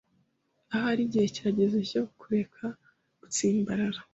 Ahari igihe kirageze cyo kureka gutsimbarara